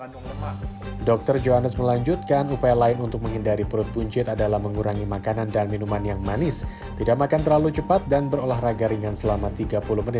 dan juga kalorinya yang tinggi